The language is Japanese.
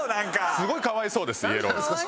すごいかわいそうですイエローオウル。